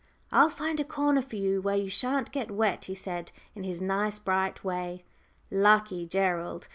"I'll find a corner for you where you shan't get wet," he said, in his nice, bright way. Lucky Gerald!